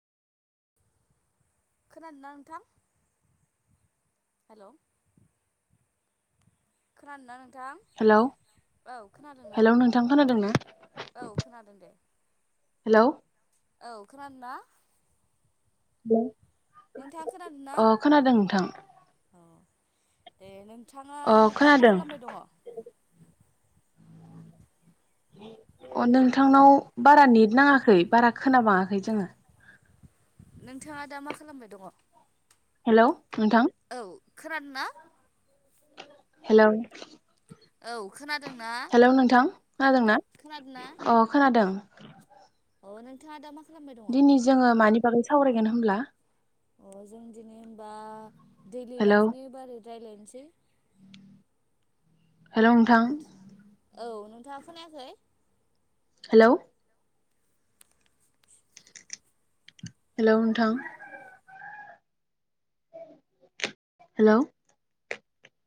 खोनादों ना नोंथां हेल' खोनादों ना नोंथां हेलौ औ खोनादों नां हेलौ नोंथां खोनादों ना औ खोनादों दे हेल' औ खोनादों ना हेल' नोंथाङा खोनादोंना अ खोनादों नोंथां औ दे नोंथाङा अ दा मा खोनादों खालामबाय दङ अ नोंथांनाव बारा नेट नाङाखै बारा खोनाबाङाखै जोङो नोंथाङा दा मा खालामबाय दङ हेलौ नोंथां औ खोनादों ना हेलौ औ खोनादोंना हेलौ नोंथां खोनादों ना खोनादोंना अ खोनादों अह नोंथाङा दा मा खालामबाय दङ दिनै जोङो मानि बागै सावरायगोन होनब्ला अ जों दिनै होनबा दैडलि हेलौ लाइफनि बारै रायज्लायनोसै हेलौ नोंथां औ नोंथांङा खोनायाखै हेलौ हेलौ नोंथां हेलौ